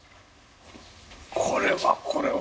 これはこれは。